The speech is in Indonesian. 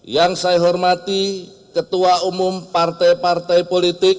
yang saya hormati ketua umum partai partai politik